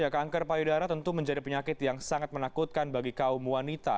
kanker payudara tentu menjadi penyakit yang sangat menakutkan bagi kaum wanita